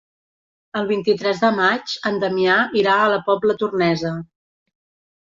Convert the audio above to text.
El vint-i-tres de maig en Damià irà a la Pobla Tornesa.